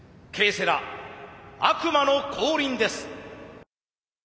セラ悪魔の降臨です。